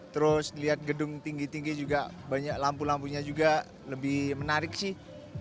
terus lihat gedung tinggi tinggi juga banyak lampu lampunya juga lebih menarik sih